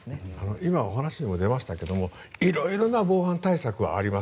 今、お話にもありましたが色々な防犯対策はあります。